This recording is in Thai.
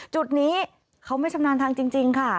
จุดนี้เขาไม่ชำนาญทางจริงค่ะ